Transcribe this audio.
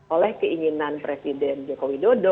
oleh keinginan presiden jokowi dodo